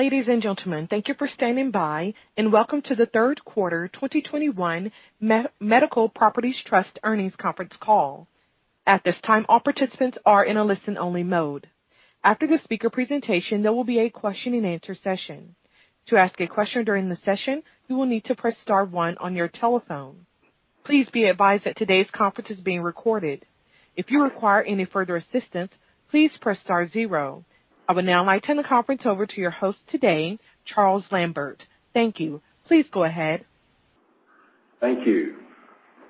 Ladies and gentlemen, thank you for standing by, and welcome to the Third Quarter 2021 Medical Properties Trust Earnings Conference Call. At this time, all participants are in a listen-only mode. After the speaker presentation, there will be a question-and-answer session. To ask a question during the session, you will need to press star one on your telephone. Please be advised that today's conference is being recorded. If you require any further assistance, please press star zero. I will now hand the conference over to your host today, Charles Lambert. Thank you. Please go ahead. Thank you.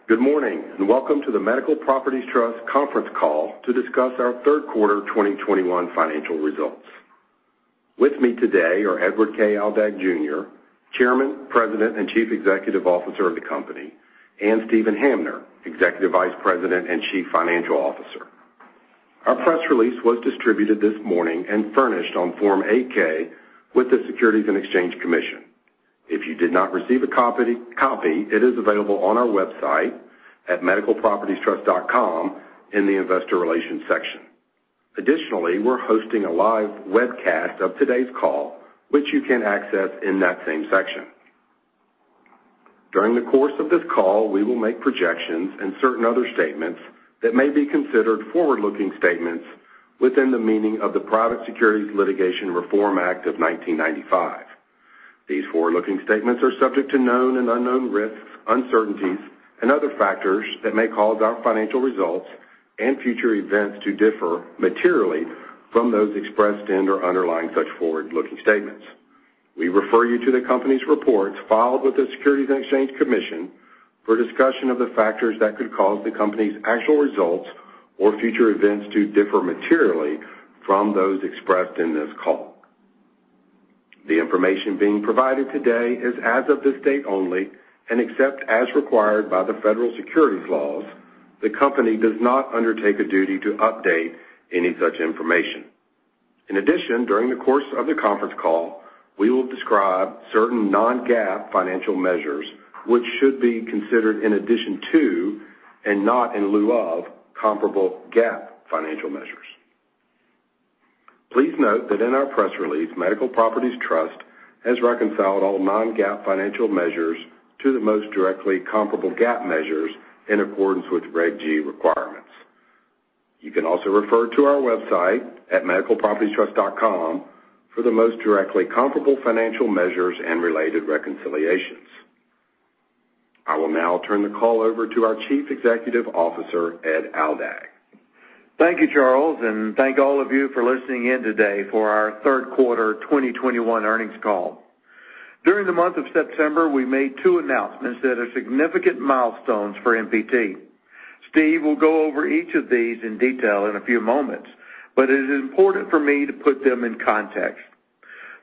Good morning, and welcome to the Medical Properties Trust conference call to discuss our third quarter 2021 financial results. With me today are Edward K. Aldag Jr., Chairman, President, and Chief Executive Officer of the company, and Steven Hamner, Executive Vice President and Chief Financial Officer. Our press release was distributed this morning and furnished on Form 8-K with the Securities and Exchange Commission. If you did not receive a copy, it is available on our website at medicalpropertiestrust.com in the investor relations section. Additionally, we're hosting a live webcast of today's call, which you can access in that same section. During the course of this call, we will make projections and certain other statements that may be considered forward-looking statements within the meaning of the Private Securities Litigation Reform Act of 1995. These forward-looking statements are subject to known and unknown risks, uncertainties, and other factors that may cause our financial results and future events to differ materially from those expressed and/or underlying such forward-looking statements. We refer you to the company's reports filed with the Securities and Exchange Commission for a discussion of the factors that could cause the company's actual results or future events to differ materially from those expressed in this call. The information being provided today is as of this date only, and except as required by the federal securities laws, the company does not undertake a duty to update any such information. In addition, during the course of the conference call, we will describe certain non-GAAP financial measures, which should be considered in addition to, and not in lieu of, comparable GAAP financial measures. Please note that in our press release, Medical Properties Trust has reconciled all non-GAAP financial measures to the most directly comparable GAAP measures in accordance with Reg G requirements. You can also refer to our website at medicalpropertiestrust.com for the most directly comparable financial measures and related reconciliations. I will now turn the call over to our Chief Executive Officer, Ed Aldag. Thank you, Charles, and thank all of you for listening in today for our third quarter 2021 earnings call. During the month of September, we made two announcements that are significant milestones for MPT. Steve will go over each of these in detail in a few moments, but it is important for me to put them in context.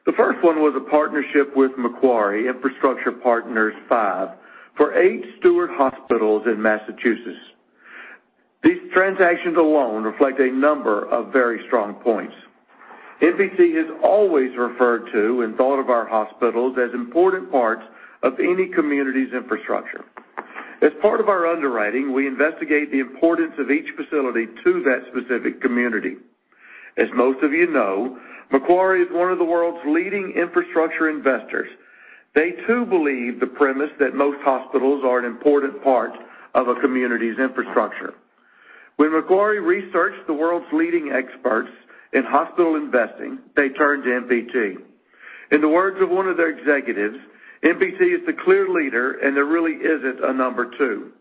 The first one was a partnership with Macquarie Infrastructure Partners V for eight Steward hospitals in Massachusetts. These transactions alone reflect a number of very strong points. MPT has always referred to and thought of our hospitals as important parts of any community's infrastructure. As part of our underwriting, we investigate the importance of each facility to that specific community. As most of you know, Macquarie is one of the world's leading infrastructure investors. They too believe the premise that most hospitals are an important part of a community's infrastructure. When Macquarie researched the world's leading experts in hospital investing, they turned to MPT. In the words of one of their executives, MPT is the clear leader, and there really isn't a number two.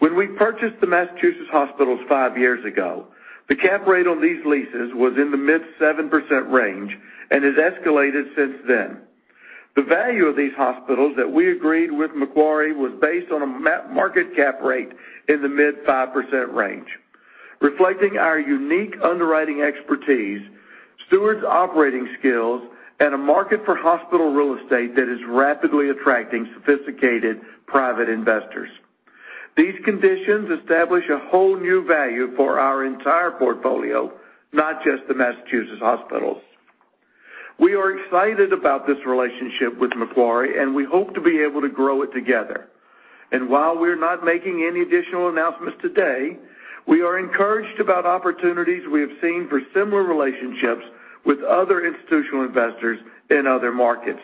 When we purchased the Massachusetts hospitals five years ago, the cap rate on these leases was in the mid-7% range and has escalated since then. The value of these hospitals that we agreed with Macquarie was based on a market cap rate in the mid-5% range, reflecting our unique underwriting expertise, Steward's operating skills, and a market for hospital real estate that is rapidly attracting sophisticated private investors. These conditions establish a whole new value for our entire portfolio, not just the Massachusetts hospitals. We are excited about this relationship with Macquarie, and we hope to be able to grow it together. While we're not making any additional announcements today, we are encouraged about opportunities we have seen for similar relationships with other institutional investors in other markets.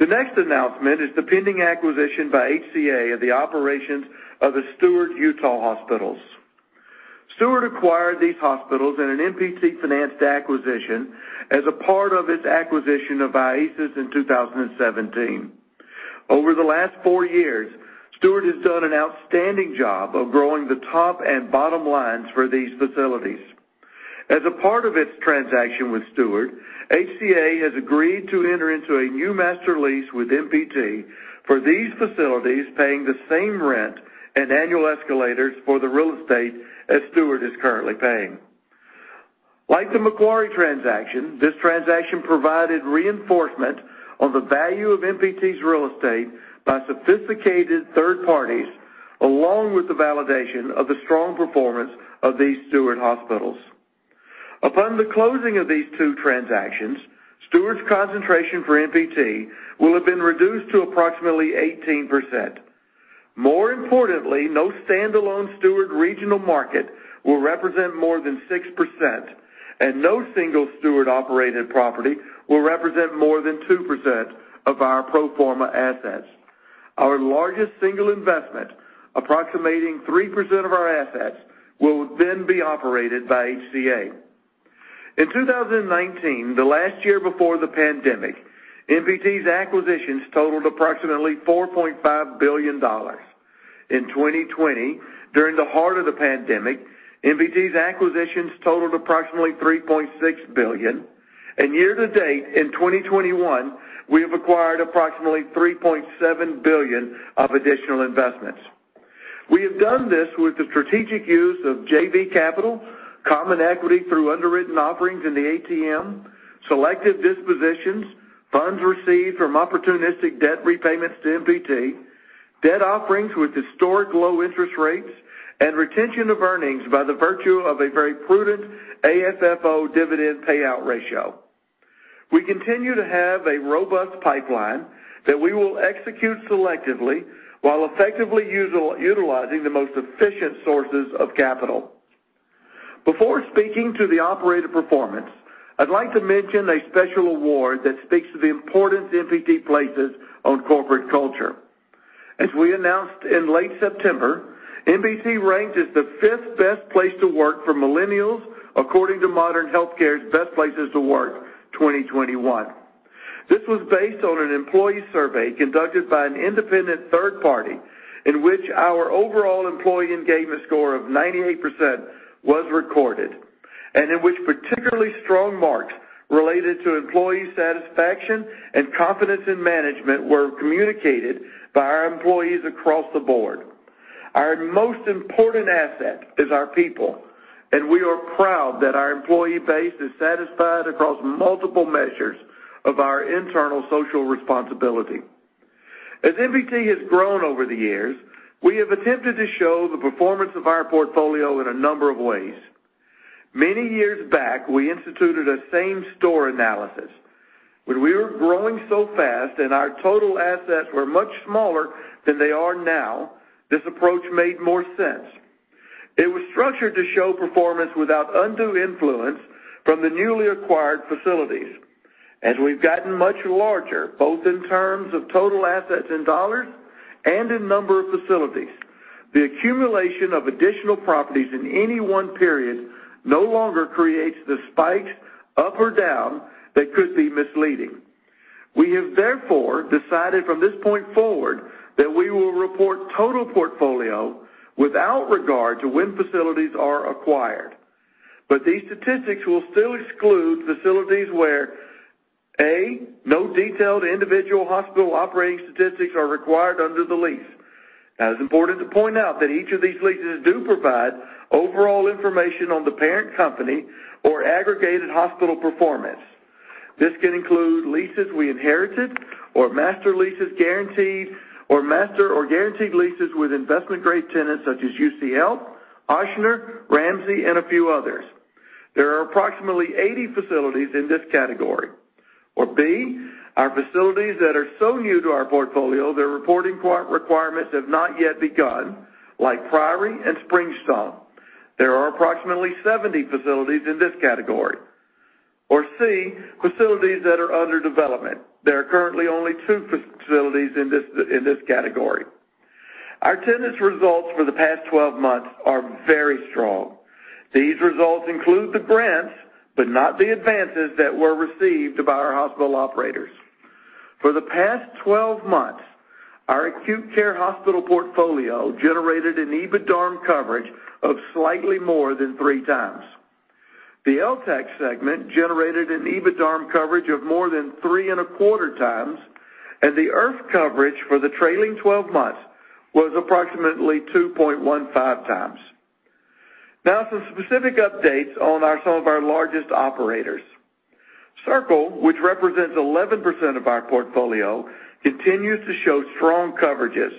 The next announcement is the pending acquisition by HCA of the operations of the Steward Utah hospitals. Steward acquired these hospitals in an MPT-financed acquisition as a part of its acquisition of IASIS in 2017. Over the last four years, Steward has done an outstanding job of growing the top and bottom lines for these facilities. As a part of its transaction with Steward, HCA has agreed to enter into a new master lease with MPT for these facilities, paying the same rent and annual escalators for the real estate as Steward is currently paying. Like the Macquarie transaction, this transaction provided reinforcement on the value of MPT's real estate by sophisticated third parties, along with the validation of the strong performance of these Steward hospitals. Upon the closing of these two transactions, Steward's concentration for MPT will have been reduced to approximately 18%. More importantly, no standalone Steward regional market will represent more than 6%, and no single Steward-operated property will represent more than 2% of our pro forma assets. Our largest single investment, approximating 3% of our assets, will then be operated by HCA. In 2019, the last year before the pandemic, MPT's acquisitions totaled approximately $4.5 billion. In 2020, during the heart of the pandemic, MPT's acquisitions totaled approximately $3.6 billion. Year to date, in 2021, we have acquired approximately $3.7 billion of additional investments. We have done this with the strategic use of JV capital, common equity through underwritten offerings in the ATM, selective dispositions, funds received from opportunistic debt repayments to MPT, debt offerings with historic low interest rates, and retention of earnings by the virtue of a very prudent AFFO dividend payout ratio. We continue to have a robust pipeline that we will execute selectively while effectively utilizing the most efficient sources of capital. Before speaking to the operator performance, I'd like to mention a special award that speaks to the importance MPT places on corporate culture. As we announced in late September, MPT ranked as the fifth best place to work for millennials according to Modern Healthcare's Best Places to Work 2021. This was based on an employee survey conducted by an independent third party in which our overall employee engagement score of 98% was recorded, and in which particularly strong marks related to employee satisfaction and confidence in management were communicated by our employees across the board. Our most important asset is our people, and we are proud that our employee base is satisfied across multiple measures of our internal social responsibility. As MPT has grown over the years, we have attempted to show the performance of our portfolio in a number of ways. Many years back, we instituted a same-store analysis. When we were growing so fast and our total assets were much smaller than they are now, this approach made more sense. It was structured to show performance without undue influence from the newly acquired facilities. As we've gotten much larger, both in terms of total assets in dollars and in number of facilities, the accumulation of additional properties in any one period no longer creates the spikes, up or down, that could be misleading. We have therefore decided from this point forward that we will report total portfolio without regard to when facilities are acquired. These statistics will still exclude facilities where, A, no detailed individual hospital operating statistics are required under the lease. Now it's important to point out that each of these leases do provide overall information on the parent company or aggregated hospital performance. This can include leases we inherited or master leases guaranteed or master or guaranteed leases with investment-grade tenants such as UCHealth, Ochsner Health, Ramsay Health Care, and a few others. There are approximately 80 facilities in this category. B, our facilities that are so new to our portfolio, their reporting requirements have not yet begun, like Priory and Springstone. There are approximately 70 facilities in this category. C, facilities that are under development. There are currently only two facilities in this category. Our tenants' results for the past 12 months are very strong. These results include the grants, but not the advances that were received by our hospital operators. For the past 12 months, our acute care hospital portfolio generated an EBITDARM coverage of slightly more than 3x. The LTAC segment generated an EBITDARM coverage of more than 3.25 times, and the IRF coverage for the trailing 12 months was approximately 2.15x. Now some specific updates on some of our largest operators. Circle, which represents 11% of our portfolio, continues to show strong coverages.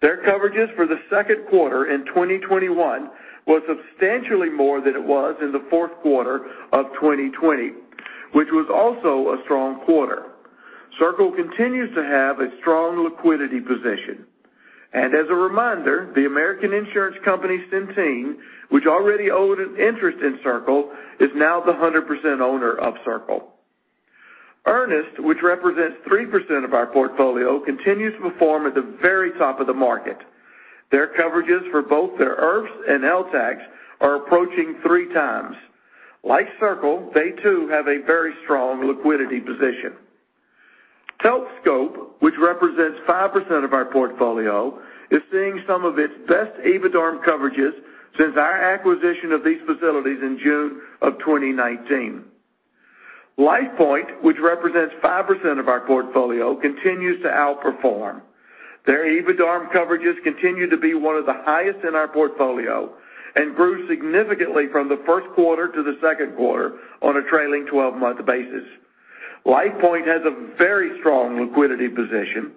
Their coverages for the second quarter in 2021 was substantially more than it was in the fourth quarter of 2020, which was also a strong quarter. Circle continues to have a strong liquidity position. As a reminder, the American insurance company, Centene, which already owned an interest in Circle, is now the 100% owner of Circle. Ernest, which represents 3% of our portfolio, continues to perform at the very top of the market. Their coverages for both their IRFs and LTACs are approaching 3x. Like Circle, they too have a very strong liquidity position. Healthscope, which represents 5% of our portfolio, is seeing some of its best EBITDARM coverages since our acquisition of these facilities in June of 2019. LifePoint, which represents 5% of our portfolio, continues to outperform. Their EBITDARM coverages continue to be one of the highest in our portfolio and grew significantly from the first quarter to the second quarter on a trailing twelve-month basis. LifePoint has a very strong liquidity position.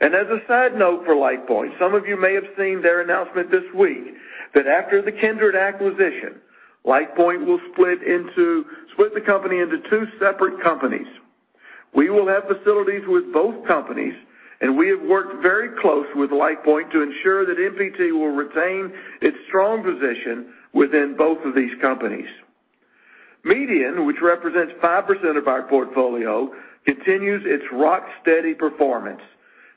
As a side note for LifePoint, some of you may have seen their announcement this week that after the Kindred acquisition, LifePoint will split the company into two separate companies. We will have facilities with both companies, and we have worked very close with LifePoint to ensure that MPT will retain its strong position within both of these companies. Median, which represents 5% of our portfolio, continues its rock-steady performance.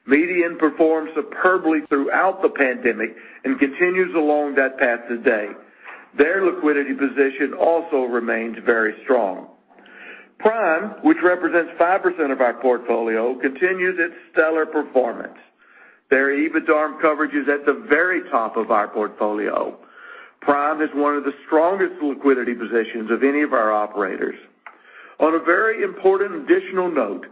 Median performed superbly throughout the pandemic and continues along that path today. Their liquidity position also remains very strong. Prime, which represents 5% of our portfolio, continues its stellar performance. Their EBITDARM coverage is at the very top of our portfolio. Prime is one of the strongest liquidity positions of any of our operators. On a very important additional note,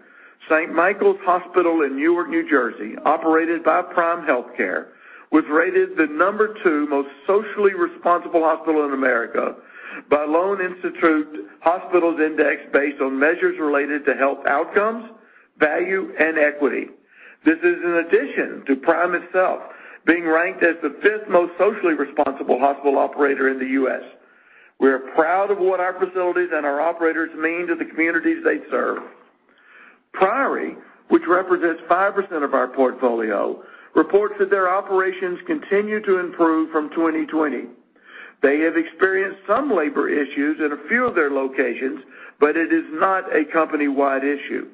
Saint Michael's Medical Center in Newark, New Jersey, operated by Prime Healthcare, was rated the number two most socially responsible hospital in America by Lown Institute Hospitals Index based on measures related to health outcomes, value, and equity. This is in addition to Prime itself being ranked as the fifth most socially responsible hospital operator in the U.S. We are proud of what our facilities and our operators mean to the communities they serve. Priory, which represents 5% of our portfolio, reports that their operations continue to improve from 2020. They have experienced some labor issues in a few of their locations, but it is not a company-wide issue.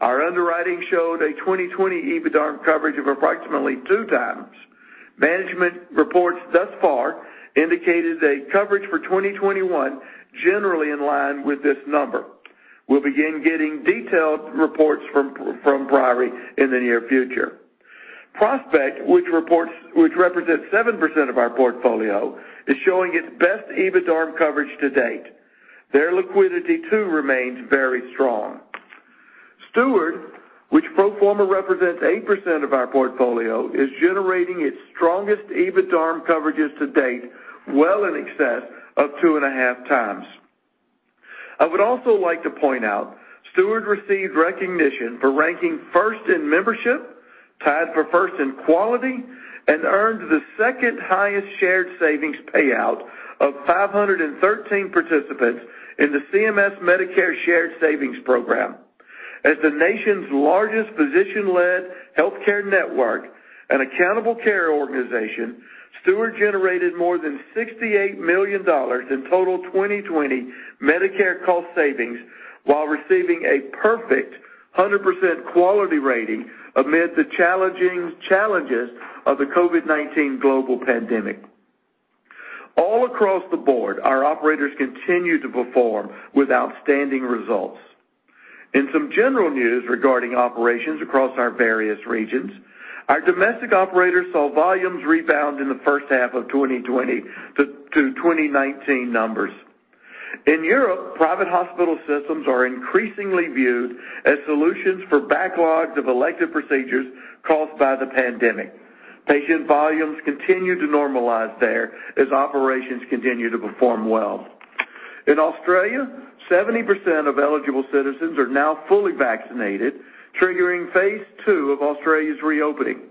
Our underwriting showed a 2020 EBITDARM coverage of approximately 2x. Management reports thus far indicated a coverage for 2021 generally in line with this number. We'll begin getting detailed reports from Priory in the near future. Prospect, which represents 7% of our portfolio, is showing its best EBITDARM coverage to date. Their liquidity too remains very strong. Steward, which pro forma represents 8% of our portfolio, is generating its strongest EBITDARM coverages to date, well in excess of 2.5x. I would also like to point out, Steward received recognition for ranking first in membership, tied for first in quality, and earned the second highest shared savings payout of 513 participants in the CMS Medicare Shared Savings Program. As the nation's largest physician-led healthcare network and accountable care organization, Steward generated more than $68 million in total 2020 Medicare cost savings while receiving a perfect 100% quality rating amid the challenging challenges of the COVID-19 global pandemic. All across the board, our operators continue to perform with outstanding results. In some general news regarding operations across our various regions, our domestic operators saw volumes rebound in the first half of 2020 to 2019 numbers. In Europe, private hospital systems are increasingly viewed as solutions for backlogs of elective procedures caused by the pandemic. Patient volumes continue to normalize there as operations continue to perform well. In Australia, 70% of eligible citizens are now fully vaccinated, triggering phase two of Australia's reopening.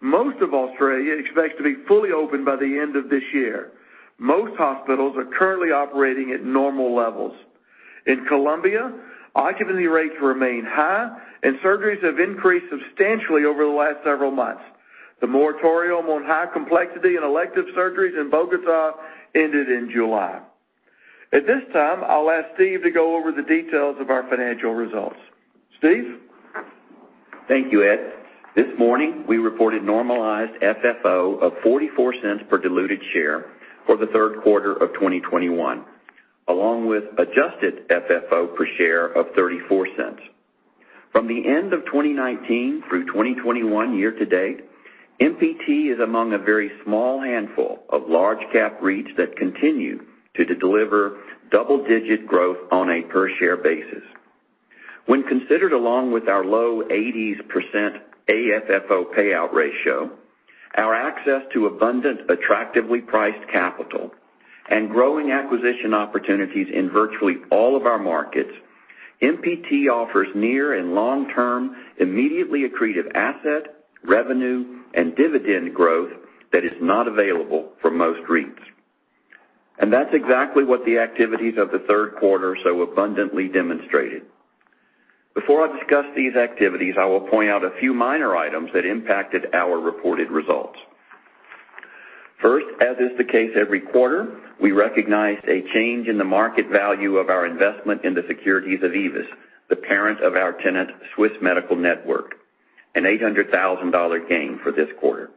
Most of Australia expects to be fully open by the end of this year. Most hospitals are currently operating at normal levels. In Colombia, occupancy rates remain high, and surgeries have increased substantially over the last several months. The moratorium on high complexity and elective surgeries in Bogotá ended in July. At this time, I'll ask Steve to go over the details of our financial results. Steve? Thank you, Ed. This morning, we reported normalized FFO of $0.44 per diluted share for the third quarter of 2021, along with adjusted FFO per share of $0.34. From the end of 2019 through 2021 year to date, MPT is among a very small handful of large cap REITs that continue to deliver double-digit growth on a per share basis. When considered along with our low 80s% AFFO payout ratio, our access to abundant attractively priced capital and growing acquisition opportunities in virtually all of our markets, MPT offers near and long-term immediately accretive asset, revenue, and dividend growth that is not available for most REITs. That's exactly what the activities of the third quarter so abundantly demonstrated. Before I discuss these activities, I will point out a few minor items that impacted our reported results. First, as is the case every quarter, we recognized a change in the market value of our investment in the securities of AEVIS, the parent of our tenant, Swiss Medical Network, an $800,000 gain for this quarter.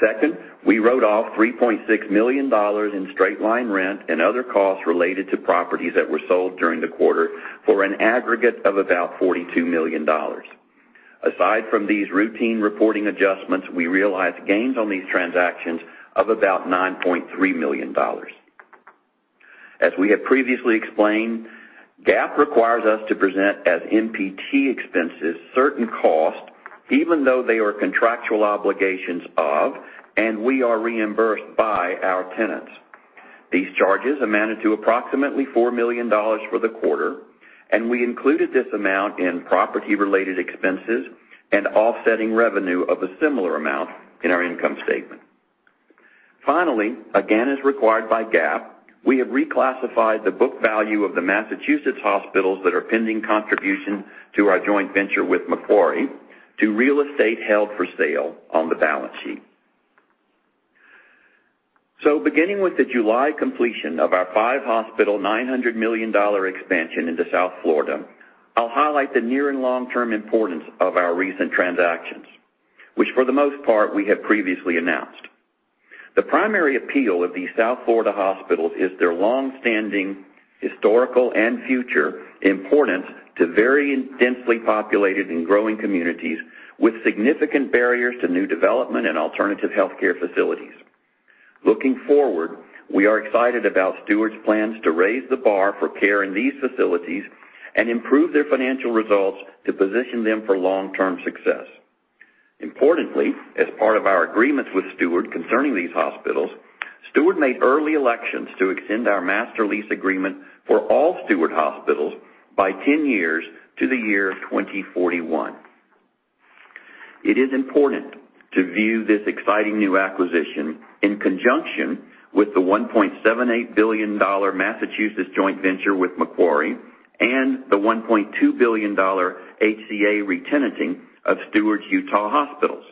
Second, we wrote off $3.6 million in straight-line rent and other costs related to properties that were sold during the quarter for an aggregate of about $42 million. Aside from these routine reporting adjustments, we realized gains on these transactions of about $9.3 million. As we have previously explained, GAAP requires us to present as MPT expenses certain costs, even though they are contractual obligations of, and we are reimbursed by our tenants. These charges amounted to approximately $4 million for the quarter, and we included this amount in property-related expenses and offsetting revenue of a similar amount in our income statement. Finally, again, as required by GAAP, we have reclassified the book value of the Massachusetts hospitals that are pending contribution to our joint venture with Macquarie to real estate held for sale on the balance sheet. Beginning with the July completion of our five-hospital, $900 million expansion into South Florida, I'll highlight the near and long-term importance of our recent transactions, which for the most part, we have previously announced. The primary appeal of these South Florida hospitals is their long-standing historical and future importance to very densely populated and growing communities with significant barriers to new development and alternative healthcare facilities. Looking forward, we are excited about Steward's plans to raise the bar for care in these facilities and improve their financial results to position them for long-term success. Importantly, as part of our agreements with Steward concerning these hospitals, Steward made early elections to extend our master lease agreement for all Steward hospitals by 10 years to the year 2041. It is important to view this exciting new acquisition in conjunction with the $1.78 billion Massachusetts joint venture with Macquarie and the $1.2 billion HCA re-tenanting of Steward's Utah hospitals.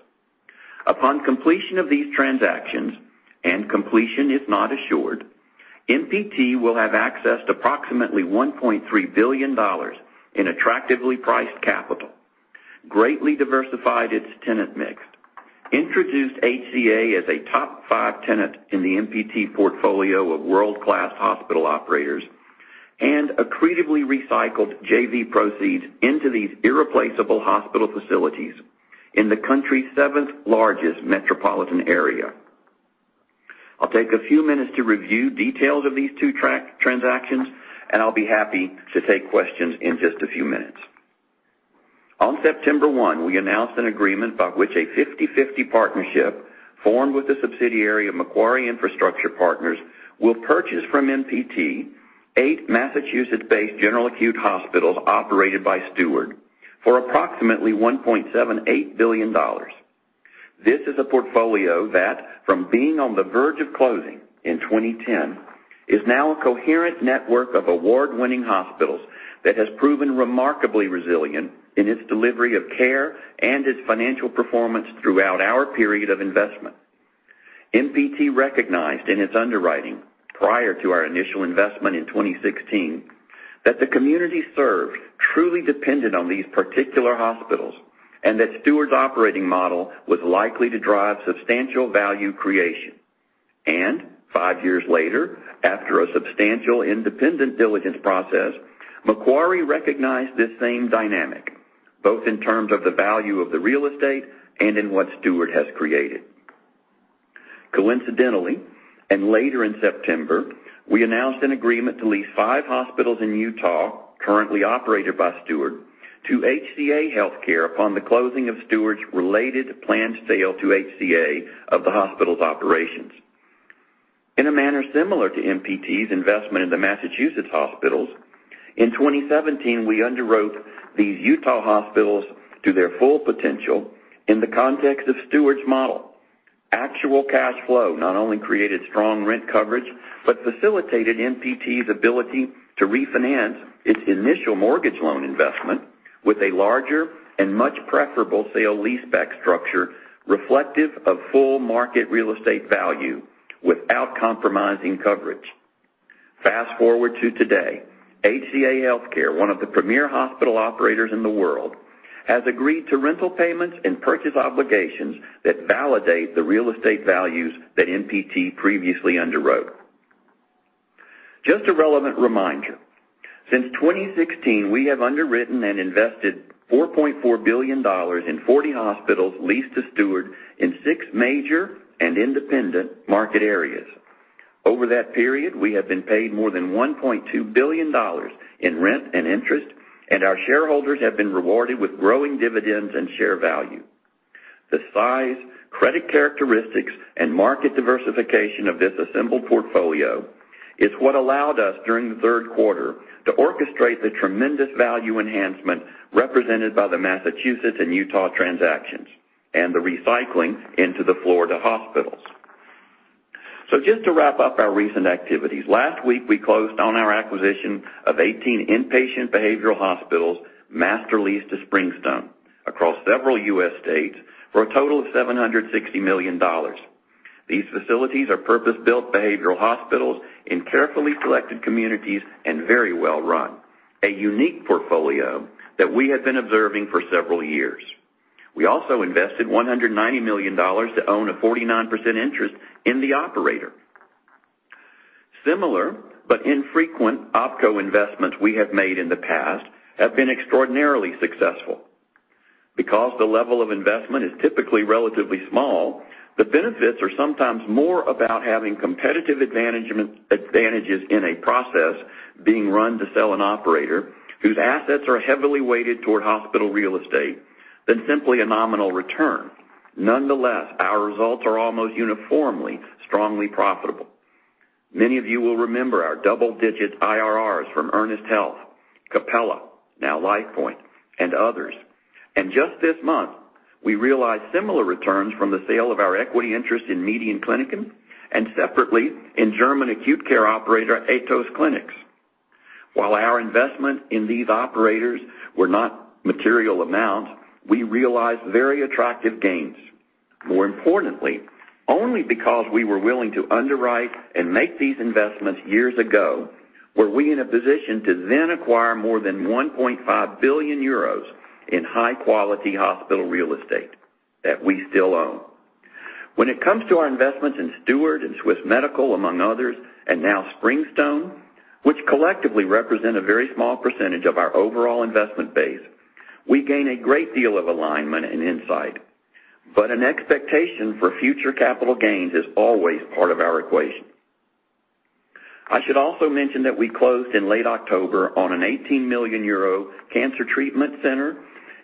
Upon completion of these transactions, and completion is not assured, MPT will have accessed approximately $1.3 billion in attractively priced capital, greatly diversified its tenant mix, introduced HCA as a top five tenant in the MPT portfolio of world-class hospital operators, and accretively recycled JV proceeds into these irreplaceable hospital facilities in the country's seventh-largest metropolitan area. I'll take a few minutes to review details of these two transactions, and I'll be happy to take questions in just a few minutes. On September 1, we announced an agreement by which a 50/50 partnership formed with the subsidiary of Macquarie Infrastructure Partners will purchase from MPT 8 Massachusetts-based general acute hospitals operated by Steward for approximately $1.78 billion. This is a portfolio that from being on the verge of closing in 2010 is now a coherent network of award-winning hospitals that has proven remarkably resilient in its delivery of care and its financial performance throughout our period of investment. MPT recognized in its underwriting prior to our initial investment in 2016 that the community served truly depended on these particular hospitals, and that Steward's operating model was likely to drive substantial value creation. Five years later, after a substantial independent diligence process, Macquarie recognized this same dynamic, both in terms of the value of the real estate and in what Steward has created. Coincidentally, later in September, we announced an agreement to lease five hospitals in Utah, currently operated by Steward, to HCA Healthcare upon the closing of Steward's related planned sale to HCA of the hospital's operations. In a manner similar to MPT's investment in the Massachusetts hospitals, in 2017, we underwrote these Utah hospitals to their full potential in the context of Steward's model. Actual cash flow not only created strong rent coverage, but facilitated MPT's ability to refinance its initial mortgage loan investment with a larger and much preferable sale leaseback structure reflective of full market real estate value without compromising coverage. Fast-forward to today, HCA Healthcare, one of the premier hospital operators in the world, has agreed to rental payments and purchase obligations that validate the real estate values that MPT previously underwrote. Just a relevant reminder, since 2016, we have underwritten and invested $4.4 billion in 40 hospitals leased to Steward in six major and independent market areas. Over that period, we have been paid more than $1.2 billion in rent and interest, and our shareholders have been rewarded with growing dividends and share value. The size, credit characteristics, and market diversification of this assembled portfolio is what allowed us during the third quarter to orchestrate the tremendous value enhancement represented by the Massachusetts and Utah transactions and the recycling into the Florida hospitals. Just to wrap up our recent activities, last week, we closed on our acquisition of 18 inpatient behavioral hospitals master leased to Springstone across several U.S. states for a total of $760 million. These facilities are purpose-built behavioral hospitals in carefully selected communities and very well run, a unique portfolio that we have been observing for several years. We also invested $190 million to own a 49% interest in the operator. Similar but infrequent OpCo investments we have made in the past have been extraordinarily successful. Because the level of investment is typically relatively small, the benefits are sometimes more about having competitive advantages in a process being run to sell an operator whose assets are heavily weighted toward hospital real estate than simply a nominal return. Nonetheless, our results are almost uniformly strongly profitable. Many of you will remember our double-digit IRRs from Ernest Health, Capella, now LifePoint, and others. Just this month, we realized similar returns from the sale of our equity interest in MEDIAN Kliniken and separately in German acute care operator, ATOS Kliniken. While our investment in these operators were not material amounts, we realized very attractive gains. More importantly, only because we were willing to underwrite and make these investments years ago were we in a position to then acquire more than 1.5 billion euros in high-quality hospital real estate that we still own. When it comes to our investments in Steward and Swiss Medical, among others, and now Springstone, which collectively represent a very small percentage of our overall investment base, we gain a great deal of alignment and insight. An expectation for future capital gains is always part of our equation. I should also mention that we closed in late October on a 18 million euro cancer treatment center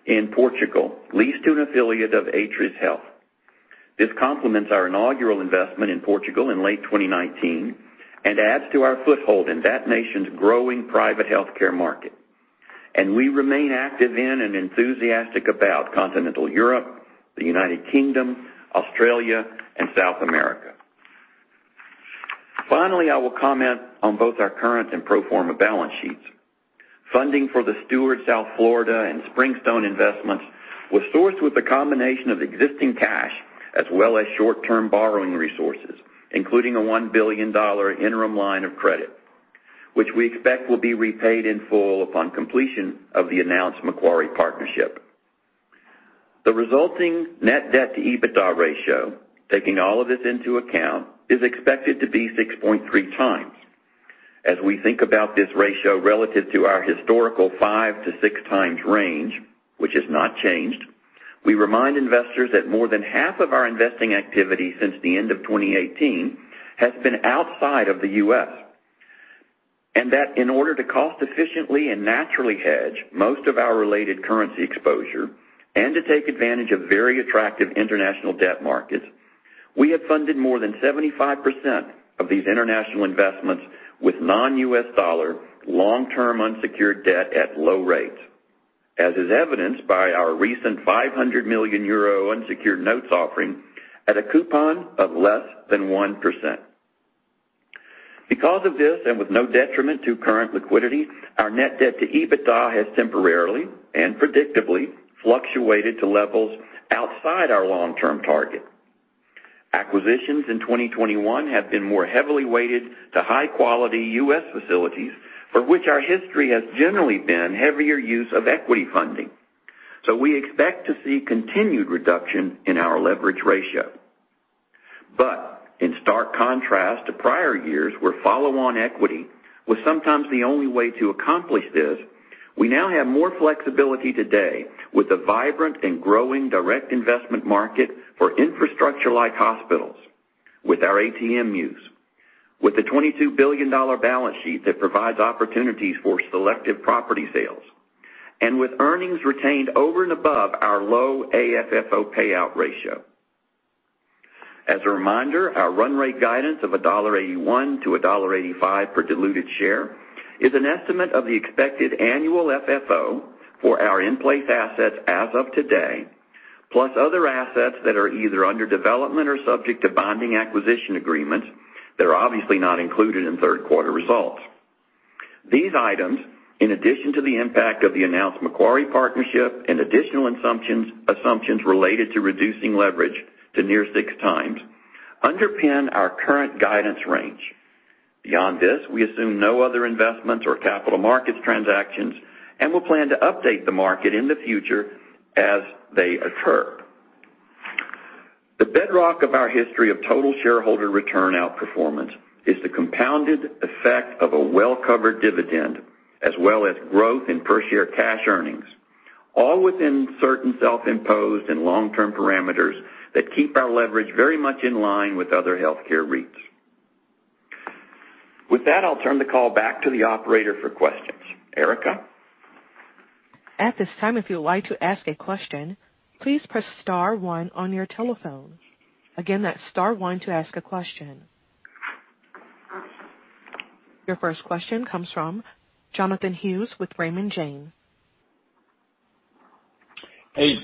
in Portugal, leased to an affiliate of Atrius Health. This complements our inaugural investment in Portugal in late 2019 and adds to our foothold in that nation's growing private healthcare market. We remain active in and enthusiastic about continental Europe, the United Kingdom, Australia, and South America. Finally, I will comment on both our current and pro forma balance sheets. Funding for the Steward South Florida and Springstone investments was sourced with a combination of existing cash as well as short-term borrowing resources, including a $1 billion interim line of credit, which we expect will be repaid in full upon completion of the announced Macquarie partnership. The resulting net debt-to-EBITDA ratio, taking all of this into account, is expected to be 6.3x. As we think about this ratio relative to our historical 5-6x range, which has not changed, we remind investors that more than half of our investing activity since the end of 2018 has been outside of the U.S. That in order to cost efficiently and naturally hedge most of our related currency exposure and to take advantage of very attractive international debt markets, we have funded more than 75% of these international investments with non-U.S. dollar long-term unsecured debt at low rates, as is evidenced by our recent 500 million euro unsecured notes offering at a coupon of less than 1%. Because of this, and with no detriment to current liquidity, our net debt-to-EBITDA has temporarily and predictably fluctuated to levels outside our long-term target. Acquisitions in 2021 have been more heavily weighted to high-quality U.S. facilities, for which our history has generally been heavier use of equity funding. We expect to see continued reduction in our leverage ratio. In stark contrast to prior years where follow-on equity was sometimes the only way to accomplish this, we now have more flexibility today with the vibrant and growing direct investment market for infrastructure like hospitals with our ATM use, with the $22 billion balance sheet that provides opportunities for selective property sales, and with earnings retained over and above our low AFFO payout ratio. As a reminder, our run rate guidance of $1.81-$1.85 per diluted share is an estimate of the expected annual FFO for our in-place assets as of today, plus other assets that are either under development or subject to bonding acquisition agreements that are obviously not included in third quarter results. These items, in addition to the impact of the announced Macquarie partnership and additional assumptions related to reducing leverage to near 6x, underpin our current guidance range. Beyond this, we assume no other investments or capital markets transactions, and we'll plan to update the market in the future as they occur. The bedrock of our history of total shareholder return outperformance is the compounded effect of a well-covered dividend, as well as growth in per share cash earnings, all within certain self-imposed and long-term parameters that keep our leverage very much in line with other healthcare REITs. With that, I'll turn the call back to the operator for questions. Erica? At this time, if you would like to ask a question, please press star one on your telephone. Again, that's star one to ask a question. Your first question comes from Jonathan Hughes with Raymond James. Hey,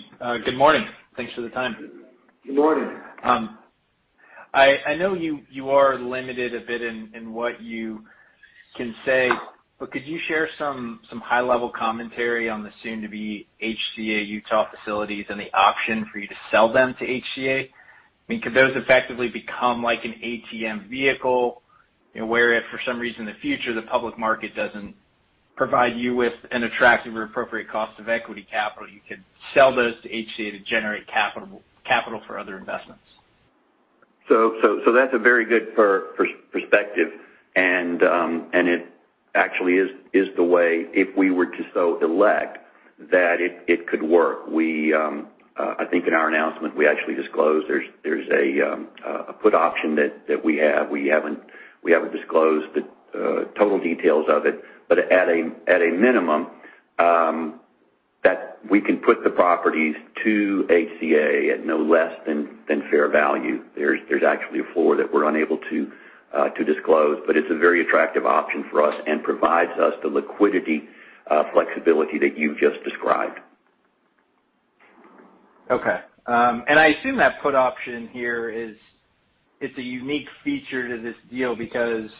good morning. Thanks for the time. Good morning. I know you are limited a bit in what you can say, but could you share some high-level commentary on the soon-to-be HCA Utah facilities and the option for you to sell them to HCA? I mean, could those effectively become like an ATM vehicle where if for some reason in the future the public market doesn't provide you with an attractive or appropriate cost of equity capital, you could sell those to HCA to generate capital for other investments? That's a very good perspective. It actually is the way if we were to so elect that it could work. I think in our announcement, we actually disclosed there's a put option that we have. We haven't disclosed the total details of it. At a minimum, that we can put the properties to HCA at no less than fair value. There's actually a floor that we're unable to disclose, but it's a very attractive option for us and provides us the liquidity flexibility that you've just described. Okay. I assume that put option here is, it's a unique feature to this deal because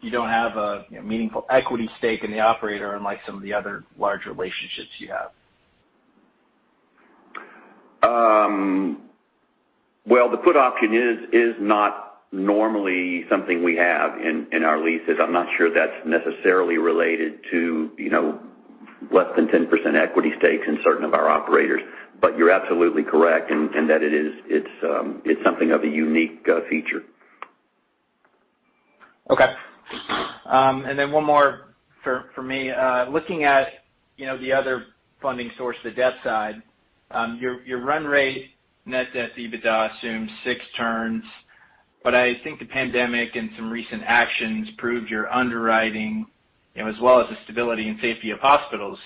you don't have a, you know, meaningful equity stake in the operator unlike some of the other large relationships you have. The put option is not normally something we have in our leases. I'm not sure that's necessarily related to, you know, less than 10% equity stakes in certain of our operators. You're absolutely correct in that it is. It's something of a unique feature. Okay. One more for me. Looking at, you know, the other funding source, the debt side, your run rate net debt EBITDA assumes 6 turns. I think the pandemic and some recent actions proved your underwriting, you know, as well as the stability and safety of hospitals.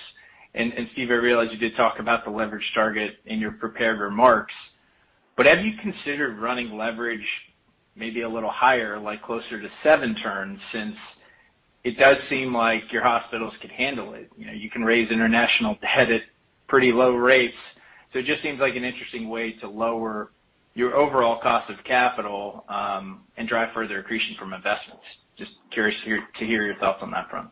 Steve, I realize you did talk about the leverage target in your prepared remarks, but have you considered running leverage maybe a little higher, like closer to 7 turns, since it does seem like your hospitals could handle it? You know, you can raise international debt at pretty low rates. It just seems like an interesting way to lower your overall cost of capital, and drive further accretion from investments. Just curious to hear your thoughts on that front.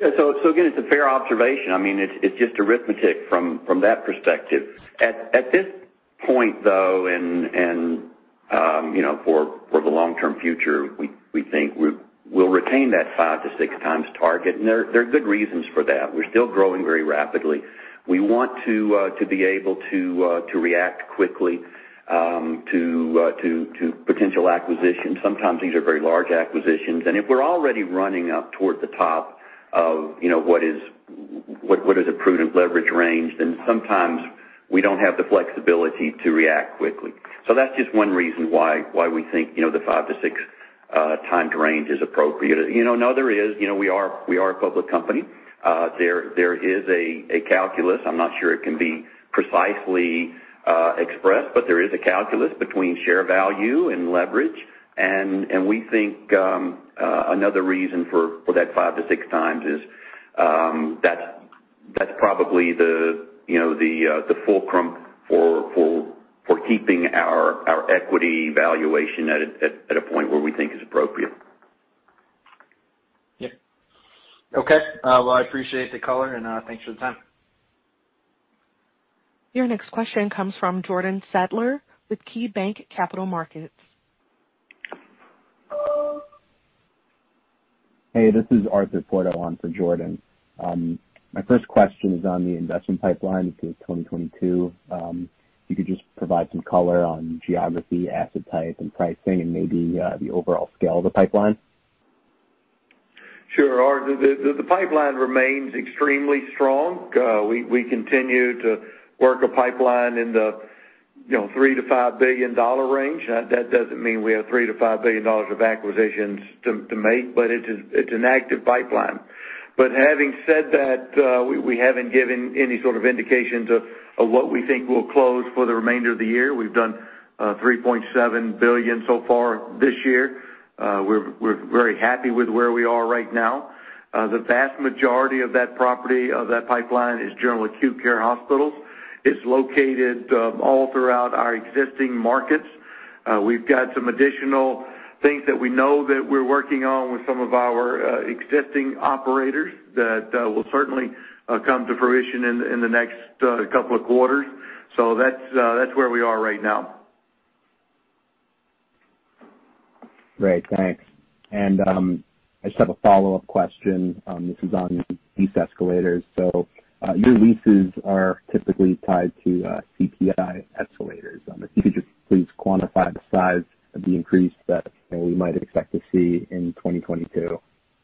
Yeah. Again, it's a fair observation. I mean, it's just arithmetic from that perspective. At this point, though, you know, for the long-term future, we think we'll retain that 5-6x target. There are good reasons for that. We're still growing very rapidly. We want to be able to react to potential acquisitions. Sometimes these are very large acquisitions. If we're already running up toward the top of, you know, what is a prudent leverage range, then sometimes we don't have the flexibility to react quickly. That's just one reason why we think, you know, the 5-6x range is appropriate. You know, no, there is. You know, we are a public company. There is a calculus. I'm not sure it can be precisely expressed, but there is a calculus between share value and leverage. We think another reason for that 5-6x is that's probably the, you know, the fulcrum for keeping our equity valuation at a point where we think is appropriate. Yeah. Okay. Well, I appreciate the color, and thanks for the time. Your next question comes from Jordan Sadler with KeyBanc Capital Markets. Hey, this is Austin Wurschmidt on for Jordan. My first question is on the investment pipeline through 2022. If you could just provide some color on geography, asset type, and pricing, and maybe the overall scale of the pipeline. Sure, Austin. The pipeline remains extremely strong. We continue to work a pipeline in the, you know, $3 billion-$5 billion range. That doesn't mean we have $3 billion-$5 billion of acquisitions to make, but it is an active pipeline. Having said that, we haven't given any sort of indications of what we think will close for the remainder of the year. We've done $3.7 billion so far this year. We're very happy with where we are right now. The vast majority of that pipeline is general acute care hospitals. It's located all throughout our existing markets. We've got some additional things that we know that we're working on with some of our existing operators that will certainly come to fruition in the next couple of quarters. That's where we are right now. Great. Thanks. I just have a follow-up question. This is on lease escalators. Your leases are typically tied to CPI escalators. If you could just please quantify the size of the increase that, you know, we might expect to see in 2022,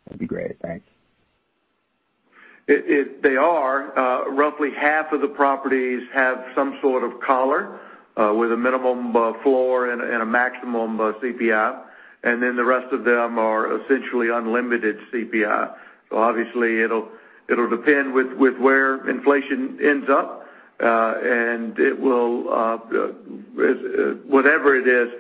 that'd be great. Thanks. They are. Roughly half of the properties have some sort of collar with a minimum floor and a maximum CPI. Then the rest of them are essentially unlimited CPI. Obviously it'll depend on where inflation ends up. It will be whatever it is.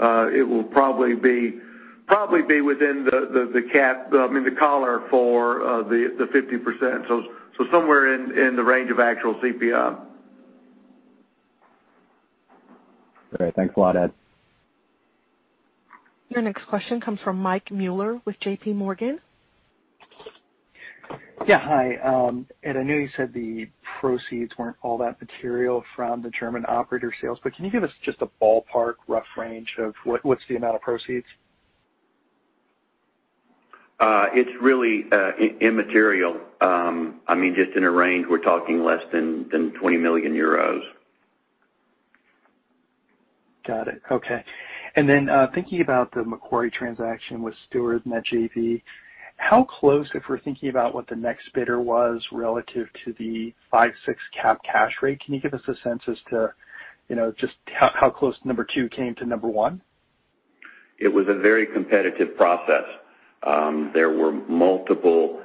It will probably be within the cap, I mean, the collar for the 50%. Somewhere in the range of actual CPI. Great. Thanks a lot, Ed. Your next question comes from Mike Mueller with JPMorgan. Yeah. Hi. Ed, I know you said the proceeds weren't all that material from the German operator sales, but can you give us just a ballpark rough range of what's the amount of proceeds? It's really immaterial. I mean, just in a range, we're talking less than 20 million euros. Got it. Okay. Thinking about the Macquarie transaction with Steward and that JV, how close, if we're thinking about what the next bidder was relative to the 5-6 cap rate, can you give us a sense as to just how close number two came to number one? It was a very competitive process. There were multiple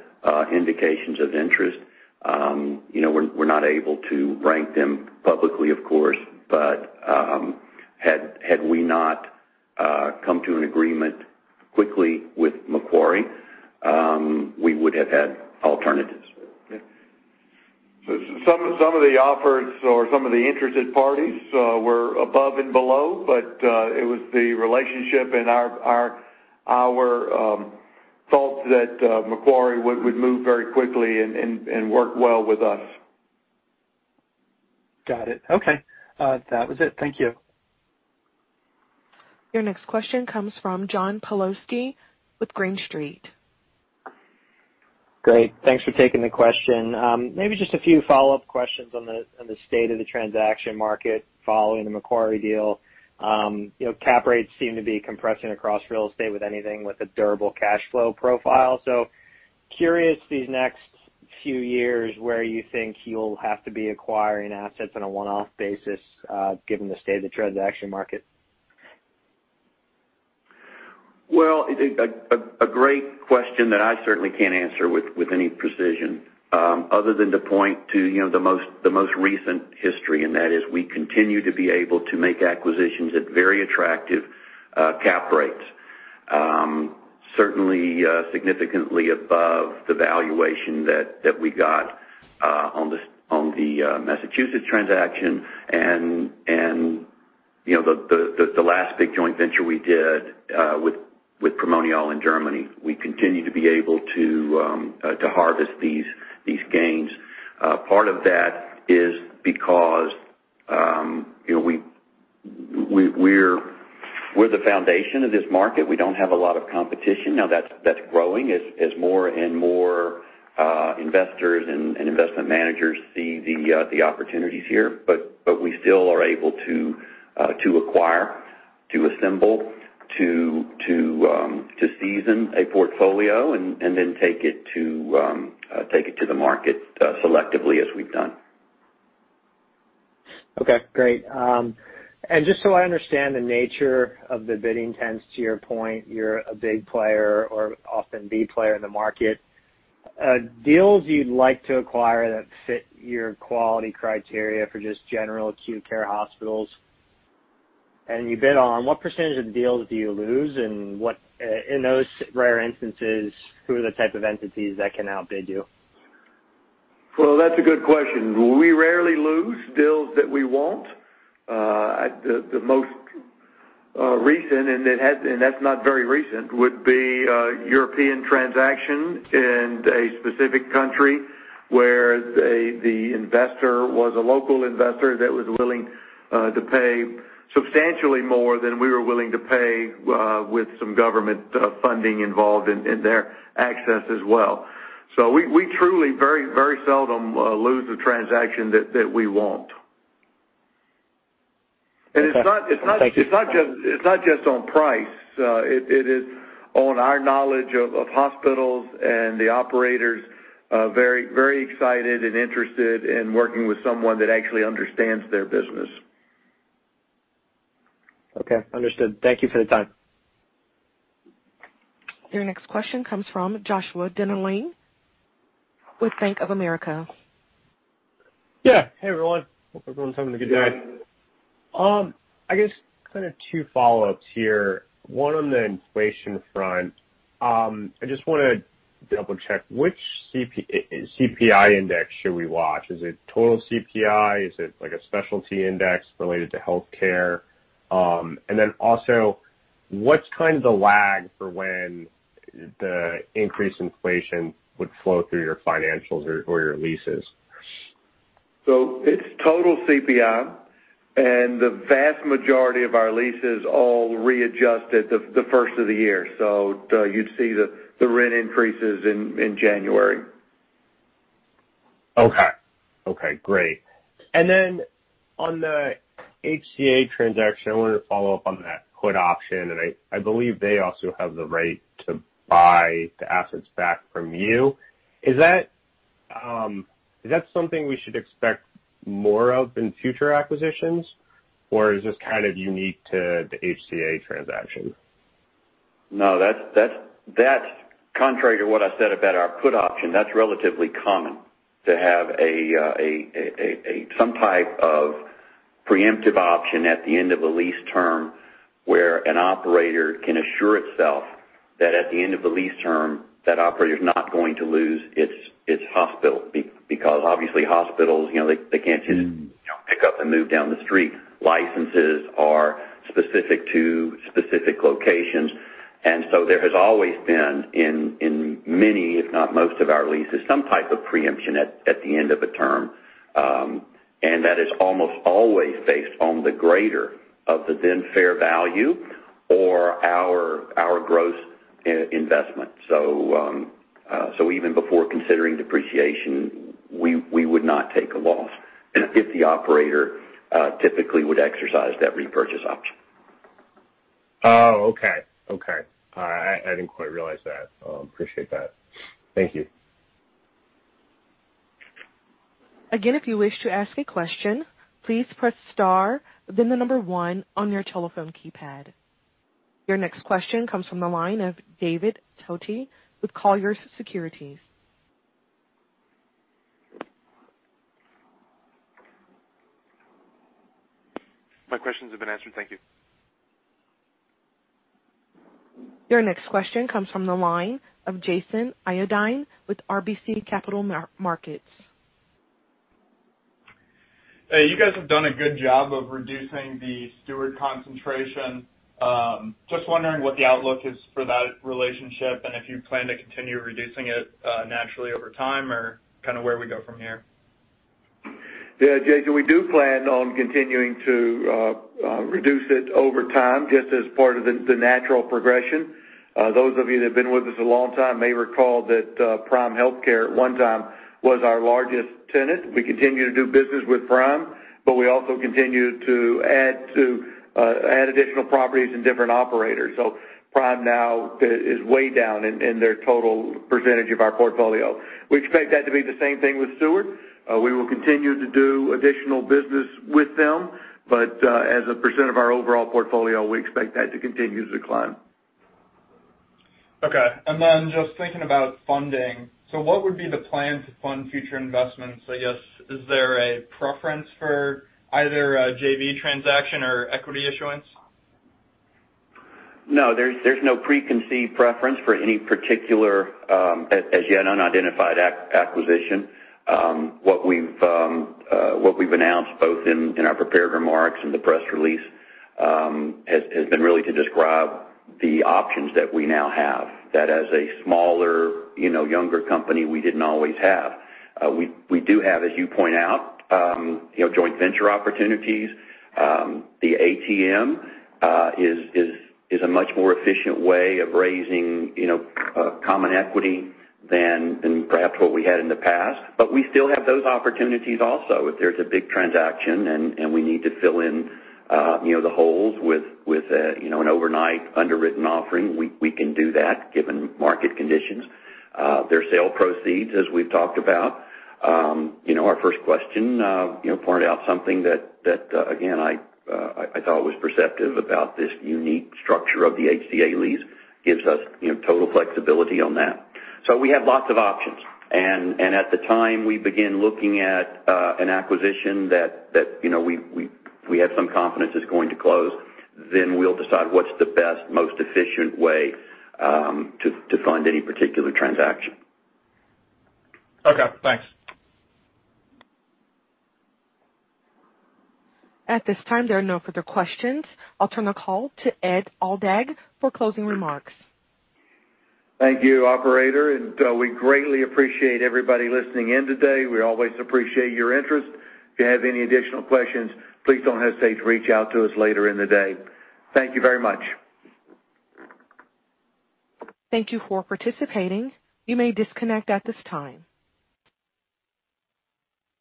indications of interest. You know, we're not able to rank them publicly, of course, but had we not come to an agreement quickly with Macquarie, we would have had alternatives. Yeah, some of the offers or some of the interested parties were above and below, but it was the relationship and our thoughts that Macquarie would move very quickly and work well with us. Got it. Okay. That was it. Thank you. Your next question comes from John Pawlowski with Green Street. Great. Thanks for taking the question. Maybe just a few follow-up questions on the state of the transaction market following the Macquarie deal. You know, cap rates seem to be compressing across real estate with anything with a durable cash flow profile. Curious these next few years where you think you'll have to be acquiring assets on a one-off basis, given the state of the transaction market? Well, a great question that I certainly can't answer with any precision, other than to point to, you know, the most recent history, and that is we continue to be able to make acquisitions at very attractive cap rates. Certainly, significantly above the valuation that we got on the Massachusetts transaction and, you know, the last big joint venture we did with Primonial in Germany. We continue to be able to harvest these gains. Part of that is because, you know, we're the foundation of this market. We don't have a lot of competition. Now that's growing as more and more investors and investment managers see the opportunities here. We still are able to acquire, to assemble, to season a portfolio and then take it to the market selectively as we've done. Okay, great. Just so I understand the nature of the bidding process, to your point, you're a big player or often the player in the market, deals you'd like to acquire that fit your quality criteria for just general acute care hospitals and you bid on, what percentage of deals do you lose? What, in those rare instances, who are the type of entities that can outbid you? Well, that's a good question. We rarely lose deals that we want. The most recent, and that's not very recent, would be a European transaction in a specific country where the investor was a local investor that was willing to pay substantially more than we were willing to pay, with some government funding involved in their assets as well. We truly very seldom lose a transaction that we want. Okay. Thank you. It's not just on price. It is on our knowledge of hospitals and the operators are very excited and interested in working with someone that actually understands their business. Okay. Understood. Thank you for the time. Your next question comes from Joshua Dennerlein with Bank of America. Yeah. Hey, everyone. Hope everyone's having a good day. I guess kind of two follow-ups here. One on the inflation front. I just wanna double-check which CPI index should we watch? Is it total CPI? Is it like a specialty index related to healthcare? Also, what's kind of the lag for when the increased inflation would flow through your financials or your leases? It's total CPI, and the vast majority of our leases all readjust at the first of the year. You'd see the rent increases in January. Okay. Okay, great. Then on the HCA transaction, I wanted to follow up on that put option, and I believe they also have the right to buy the assets back from you. Is that something we should expect more of in future acquisitions, or is this kind of unique to the HCA transaction? No, that's contrary to what I said about our put option. That's relatively common to have some type of preemptive option at the end of a lease term where an operator can assure itself that at the end of the lease term, that operator is not going to lose its hospital because obviously hospitals, you know, they can't just, you know, pick up and move down the street. Licenses are specific to specific locations. There has always been in many, if not most of our leases, some type of preemption at the end of a term. That is almost always based on the greater of the then fair value or our gross investment. Even before considering depreciation, we would not take a loss if the operator typically would exercise that repurchase option. Oh, okay. All right. I didn't quite realize that. Appreciate that. Thank you. Your next question comes from the line of David Toti with Colliers Securities. My questions have been answered. Thank you. Your next question comes from the line of Jason Frew with RBC Capital Markets. Hey, you guys have done a good job of reducing the Steward concentration. Just wondering what the outlook is for that relationship, and if you plan to continue reducing it, naturally over time or kinda where we go from here. Yeah. Jason, we do plan on continuing to reduce it over time, just as part of the natural progression. Those of you that have been with us a long time may recall that Prime Healthcare at one time was our largest tenant. We continue to do business with Prime, but we also continue to add additional properties and different operators. Prime now is way down in their total percentage of our portfolio. We expect that to be the same thing with Steward. We will continue to do additional business with them, but as a percent of our overall portfolio, we expect that to continue to decline. Okay. Just thinking about funding. What would be the plan to fund future investments? I guess, is there a preference for either a JV transaction or equity issuance? No, there's no preconceived preference for any particular, as yet unidentified acquisition. What we've announced both in our prepared remarks and the press release has been really to describe the options that we now have that as a smaller, you know, younger company, we didn't always have. We do have, as you point out, you know, joint venture opportunities. The ATM is a much more efficient way of raising, you know, common equity than perhaps what we had in the past. We still have those opportunities also. If there's a big transaction and we need to fill in, you know, the holes with, you know, an overnight underwritten offering, we can do that given market conditions. Their sale proceeds, as we've talked about, you know, our first question, you know, pointed out something that, again, I thought was perceptive about this unique structure of the HCA lease, gives us, you know, total flexibility on that. So we have lots of options. At the time we begin looking at an acquisition that, you know, we have some confidence is going to close, then we'll decide what's the best, most efficient way to fund any particular transaction. Okay, thanks. At this time, there are no further questions. I'll turn the call to Ed Aldag for closing remarks. Thank you, operator. We greatly appreciate everybody listening in today. We always appreciate your interest. If you have any additional questions, please don't hesitate to reach out to us later in the day. Thank you very much. Thank you for participating. You may disconnect at this time.